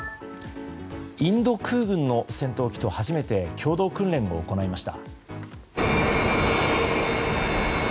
インド空軍の戦闘機と初めて共同訓練を行いました。